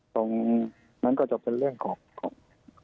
ตรงนั้นก็จะเป็นเรื่องของ